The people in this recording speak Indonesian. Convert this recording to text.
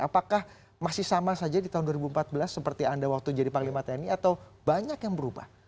apakah masih sama saja di tahun dua ribu empat belas seperti anda waktu jadi panglima tni atau banyak yang berubah